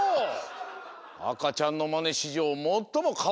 あかちゃんのマネしじょうもっともかわいくないぞ！